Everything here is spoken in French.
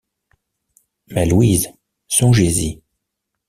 Ma Louise, songez-y